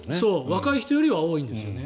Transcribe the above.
若い人よりは多いんですよね。